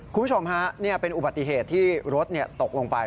คุณผู้ชมฮะนี่เป็นอุบัติเหตุที่รถตกลงไป